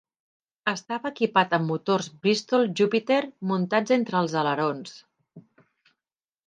Estava equipat amb motors Bristol Jupiter muntats entre els alerons.